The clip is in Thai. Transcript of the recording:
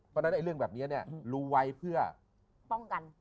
เพราะฉะนั้นเรื่องแบบนี้รู้ไว้เพื่อป้องกัน